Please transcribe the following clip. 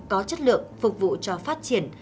có chất lượng phục vụ cho phát triển